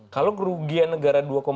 kalau kerugian negara